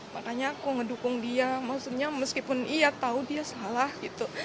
makanya aku ngedukung dia maksudnya meskipun iya tahu dia salah gitu